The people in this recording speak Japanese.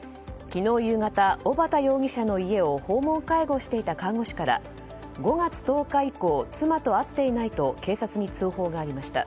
昨日夕方、小幡容疑者の家を訪問介護していた看護師から５月１０日以降妻と会っていないと警察に通報がありました。